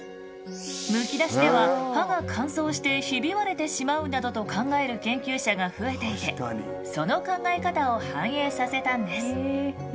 むき出しでは歯が乾燥してひび割れてしまうなどと考える研究者が増えていてその考え方を反映させたんです。